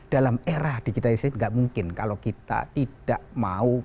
dalam era digitalisasi tidak mungkin kalau kita tidak mau